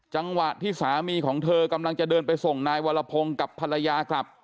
จังหวะที่สามีของเธอกำลังจะเดินไปส่งนายวรพงศ์กับภรรยากลับ